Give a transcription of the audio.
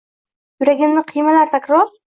Yuragimni qiymalar takror